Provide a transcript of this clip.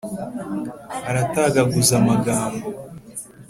aratagaguza amagambo.